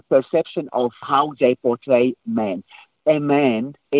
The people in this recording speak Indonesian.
jadi persepsi bagaimana mereka mempersembahkan lelaki